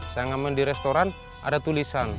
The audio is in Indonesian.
saya ngamen di restoran ada tulisan